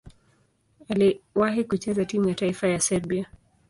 Aliwahi kucheza timu ya taifa ya Serbia.